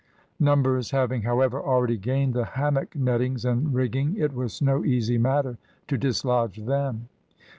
Numbers having, however, already gained the hammock nettings and rigging, it was no easy matter to dislodge them.